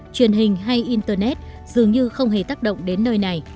truyền hình hay internet dường như không hề tác động đến nơi này